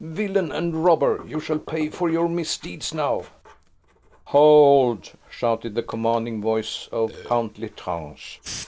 Villain and robber, you shall pay for your misdeeds now!" "Hold!" shouted the commanding voice of Count L'Estrange.